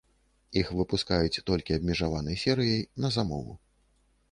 Іх выпускаюць толькі абмежаванай серыяй, на замову.